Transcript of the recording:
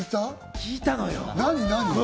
聞いたのよ。